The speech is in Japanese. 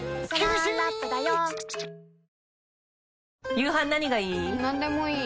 夕飯何がいい？